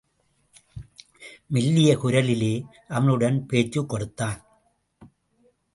மெல்லிய குரலிலே அவனுடன் பேச்சுக் கொடுத்தான்.